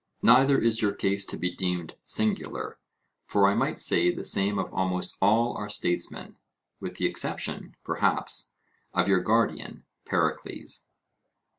Neither is your case to be deemed singular. For I might say the same of almost all our statesmen, with the exception, perhaps of your guardian, Pericles.